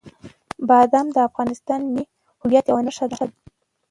بادام د افغانستان د ملي هویت یوه نښه ده.